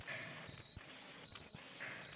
Hali eshitmadingizmi